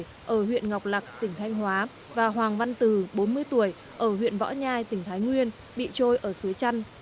phạm văn tự bốn mươi chín tuổi ở huyện ngọc lạc tỉnh thanh hóa và hoàng văn từ bốn mươi tuổi ở huyện võ nhai tỉnh thái nguyên bị trôi ở suối trăn